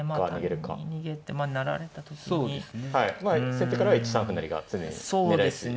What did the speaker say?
先手からは１三歩成が常に狙い筋ですね。